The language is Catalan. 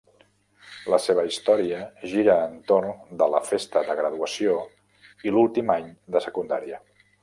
La seva història gira entorn de la festa de graduació i l'últim any de secundària.